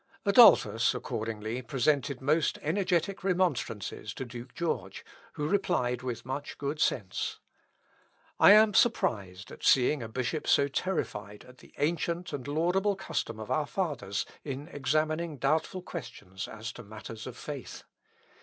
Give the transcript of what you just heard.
Adolphus accordingly presented most energetic remonstrances to Duke George, who replied with much good sense. "I am surprised at seeing a bishop so terrified at the ancient and laudable custom of our fathers in examining doubtful questions as to matters of faith.